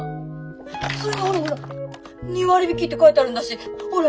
それにほら２割引って書いてあるんだしほら！